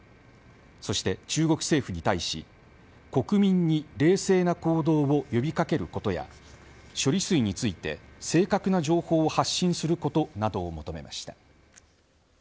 そして、中国政府に対し国民に冷静な行動を呼び掛けることや処理水について正確な情報を発信することなどを求めました。